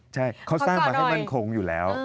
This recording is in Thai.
ใช่เขาสร้างมาให้มั่นคงอยู่แล้ว